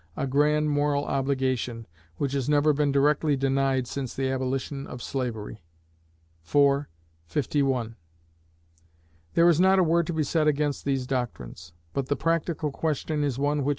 a grand moral obligation, which has never been directly denied since the abolition of slavery" (iv. 51). There is not a word to be said against these doctrines: but the practical question is one which M.